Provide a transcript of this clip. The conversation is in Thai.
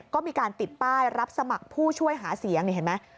ก็มีการติดป้ายรับสมัครผู้ช่วยหาเสียงนี่เห็นไหม